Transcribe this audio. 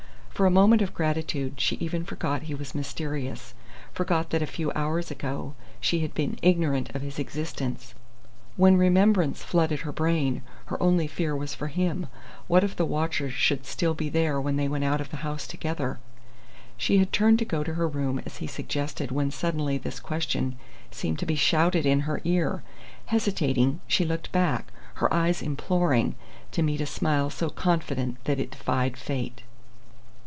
For a moment of gratitude she even forgot he was mysterious, forgot that a few hours ago she had been ignorant of his existence. When remembrance flooded her brain, her only fear was for him. What if the watchers should still be there when they went out of the house together? She had turned to go to her room as he suggested when suddenly this question seemed to be shouted in her ear. Hesitating, she looked back, her eyes imploring, to meet a smile so confident that it defied fate.